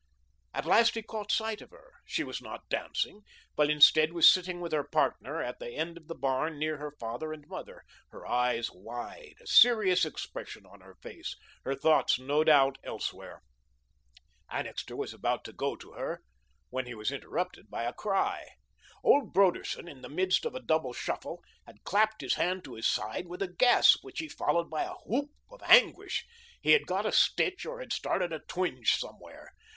At last he caught sight of her. She was not dancing, but, instead, was sitting with her "partner" at the end of the barn near her father and mother, her eyes wide, a serious expression on her face, her thoughts, no doubt, elsewhere. Annixter was about to go to her when he was interrupted by a cry. Old Broderson, in the midst of a double shuffle, had clapped his hand to his side with a gasp, which he followed by a whoop of anguish. He had got a stitch or had started a twinge somewhere.